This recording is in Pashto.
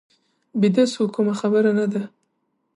بیده شو، کومه خبره نه ده.